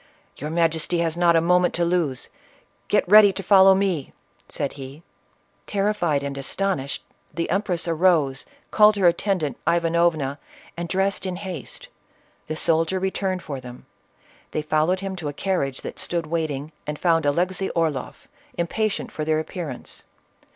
"Your majesty has not a moment to lose; get ready to follow me!" said he. Terrified and astonished, the empress arose, called her attendant Ivanovna, and dressed in haste. The soldier returned for them ; they followed him to a carriage that stood waiting, and found Alexey Orloff, impatient for their appearance.